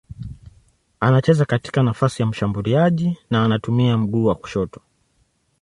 Anacheza katika nafasi ya mshambuliaji na anatumia mguu wa kushoto.